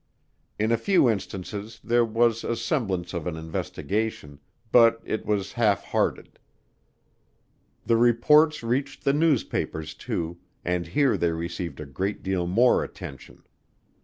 In a few instances there was a semblance of an investigation but it was halfhearted. The reports reached the newspapers too, and here they received a great deal more attention.